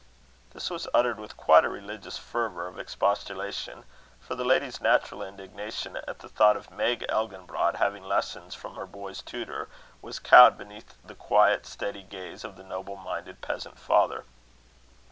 This was uttered with quite a religious fervour of expostulation; for the lady's natural indignation at the thought of Meg Elginbrod having lessons from her boys' tutor, was cowed beneath the quiet steady gaze of the noble minded peasant father.